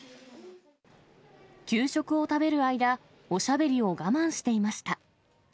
給食を食べる間、おしゃべりを我慢していました。